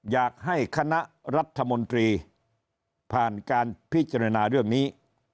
อยากให้คณะรัฐมนตรีผ่านการพิจารณาเรื่องนี้